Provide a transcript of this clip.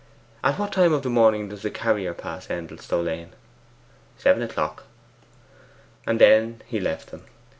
At what time of the morning does the carrier pass Endelstow lane?' 'Seven o'clock.' And then he left them.